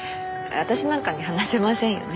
私なんかに話せませんよね。